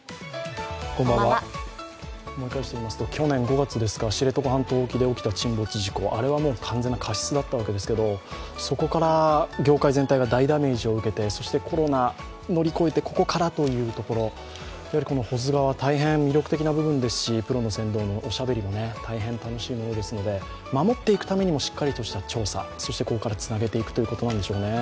思い返してみますと去年５月、知床半島沖で起きた沈没事故、あれはもう完全な過失だったわけですけれども、そこから業界全体で大ダメージを受けて、コロナを乗り越えてここからというところ、保津川、大変魅力的な部分ですし、プロの船頭のおしゃべりも大変楽しいものですので、守っていくためにもしっかりとした調査、そしてここからつなげていくということなんでしょうね。